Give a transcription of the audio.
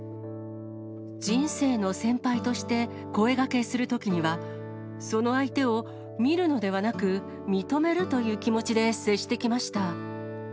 人生の先輩として声がけするときには、その相手を見るのではなく、認めるという気持ちで接してきました。